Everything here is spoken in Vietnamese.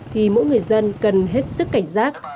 thì mỗi người dân cần hết sức cảnh giác